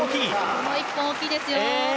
この一本、大きいですよ。